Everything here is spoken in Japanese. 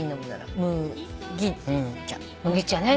麦茶ね。